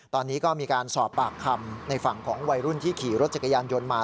ตอนนี้ก็มีการสอบปากคำในฝั่งของวัยรุ่นที่ขี่รถจักรยานยนต์มา